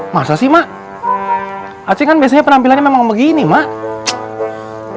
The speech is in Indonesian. masa sih mak aci kan biasanya penampilannya memang begini mak